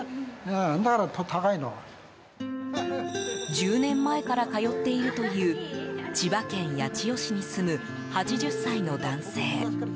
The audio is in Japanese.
１０年前から通っているという千葉県八千代市に住む８０歳の男性。